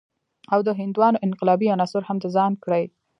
او د هندوانو انقلابي عناصر هم د ځان کړي.